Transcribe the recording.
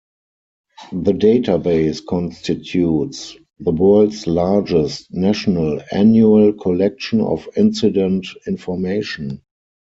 The database constitutes the world's largest, national, annual collection of incident information.